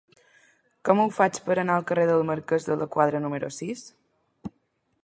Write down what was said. Com ho faig per anar al carrer del Marquès de la Quadra número sis?